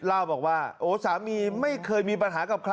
เล่าบอกว่าโอ้โหสามีไม่เคยมีปัญหาที่ดีนะครับ